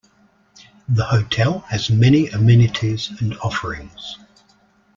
The hotel has many amenities and offerings.